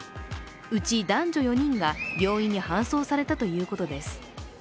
うち男女４人が病院に搬送されたということです。